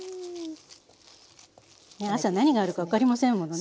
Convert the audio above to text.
朝何があるか分かりませんものね。